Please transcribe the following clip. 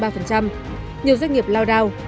nhiều doanh nghiệp lao đào